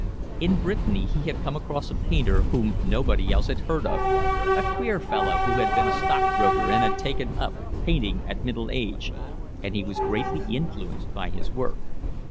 In Brittany he had come across a painter whom nobody else had heard of, a queer fellow who had been a stockbroker and taken up painting at middle age, and he was greatly influenced by his work.